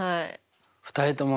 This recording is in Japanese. ２人ともね